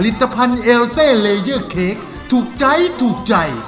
ตภัณฑ์เอลเซเลเยอร์เค้กถูกใจถูกใจ